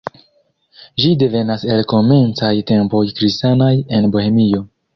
Ĝi devenas el komencaj tempoj kristanaj en Bohemio.